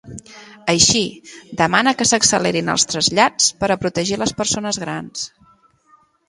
Així, demana que s'accelerin els trasllats per a protegir les persones grans.